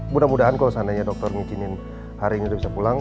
mudah mudahan kalau seandainya dokter mikinin hari ini udah bisa pulang